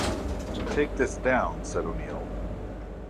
"Take this down", said O'Neal.